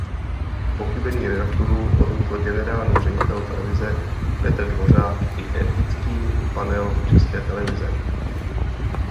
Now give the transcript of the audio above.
Pochybení redaktorů odmítl generální ředitel televize Petr Dvořák i etický panel České televize.